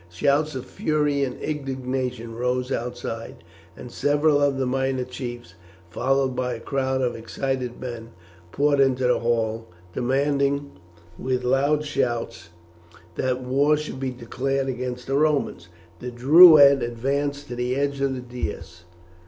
Shouts of fury and indignation rose outside, and several of the minor chiefs, followed by a crowd of excited men, poured into the hall, demanding with loud shouts that war should be declared against the Romans. The Druid advanced to the edge of the dais.